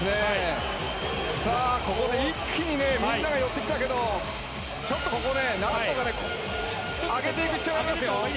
さあ、ここで一気にね、みんなが寄ってきたけど、ちょっとこれ、なんとか上げていく必要